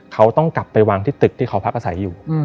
เขาต้องกลับไปวางที่ตึกที่เขาพักอาศัยอยู่